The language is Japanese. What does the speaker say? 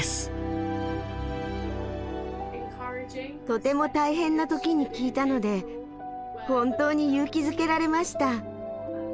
とても大変な時に聴いたので本当に勇気づけられました。